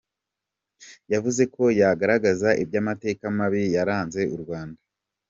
Yavuze ko yagaragazaga iby’amateka mabi yaranze u Rwanda.